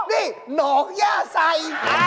นี่หนองย่าใส่